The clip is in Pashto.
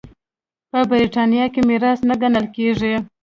په برېټانیا کې میراث نه ګڼل کېږي.